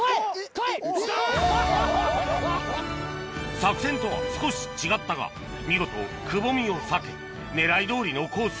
作戦とは少し違ったが見事くぼみを避け狙いどおりのコース